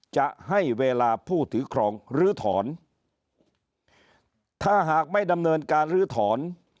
จะให้เวลาผู้ถือครองลื้อถอนถ้าหากไม่ดำเนินการลื้อถอน